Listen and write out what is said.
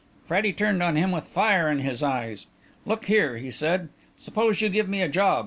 Freddie turned on him with fire in his eyes. "Look here," he said, "suppose you give me a job.